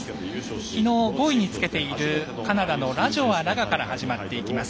きのう５位につけているカナダのラジョワ、ラガから始まっていきます。